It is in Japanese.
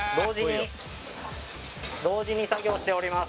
同時に作業しております